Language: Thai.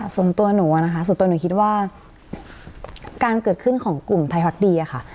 ส่วนตัวหนูอะนะคะส่วนตัวหนูคิดว่าการเกิดขึ้นของกลุ่มไทยฮอตดีอะค่ะ